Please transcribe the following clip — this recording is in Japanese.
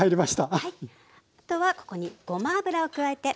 はいあとはここにごま油を加えて。